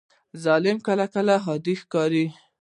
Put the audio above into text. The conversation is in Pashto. ظلم کله کله عادي ښکاري.